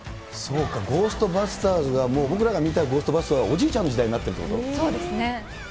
そうか、ゴーストバスターズが、もう僕らが見たゴーストバスターズは、おじいちゃんの時代になっそうですね。